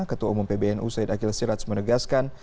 ketua umum pbnu said akhil siraj menegaskan